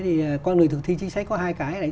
thế thì con người thực thi chính sách có hai cái